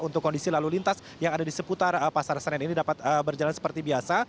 untuk kondisi lalu lintas yang ada di seputar pasar senen ini dapat berjalan seperti biasa